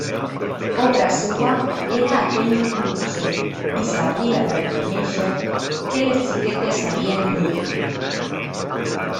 Obra seua era aquell luxe i s'havia de reconèixer que les xiquetes sabien lluir-lo.